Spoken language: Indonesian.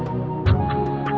masih primitif ahhh